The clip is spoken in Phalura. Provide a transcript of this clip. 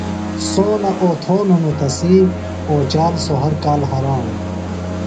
سونہ اوتھون ہنوۡ تسی، اوچال سوۡ ہر کال ہرانوۡ